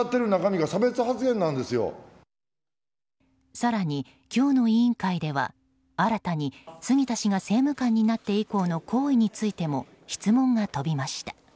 更に今日の委員会では新たに杉田氏が政務官になって以降の行為についても質問が飛びました。